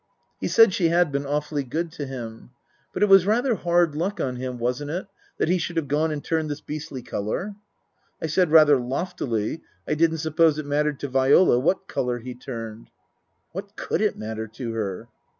He said she had been awfully good to him. But it was rather hard luck on him, wasn't it, that he should have gone and turned this beastly colour ? I said rather loftily I didn't suppose it mattered to Viola what colour he turned. (What could it matter to her